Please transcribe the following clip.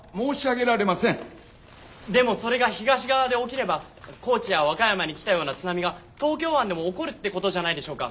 でもそれが東側で起きれば高知や和歌山に来たような津波が東京湾でも起こるってことじゃないでしょうか？